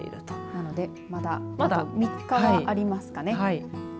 なのでまだ３日はありますかね。